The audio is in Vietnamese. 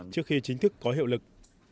trước khi chính thức có hiệu lực